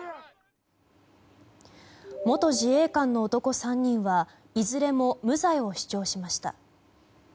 元自衛官の男３人はいずれも無罪を主張しました。